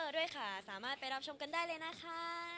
ด้วยค่ะสามารถไปรับชมกันได้เลยนะคะ